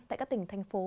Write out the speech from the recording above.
tại các tỉnh thành phố